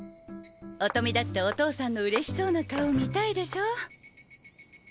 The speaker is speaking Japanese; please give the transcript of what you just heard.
音美だってお父さんのうれしそうな顔見たいでしょ？